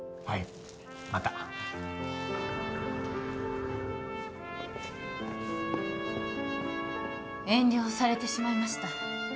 はいまた遠慮をされてしまいました